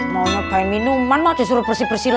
mau napain minuman mau disuruh bersih bersih lagi